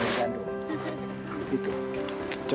dia sudah menjaga diri